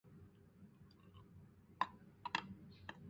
蜻蜓没有蛹的阶段。